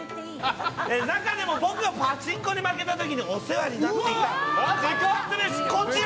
中でも僕がパチンコに負けたときにお世話になっていたカツカツ飯こちら。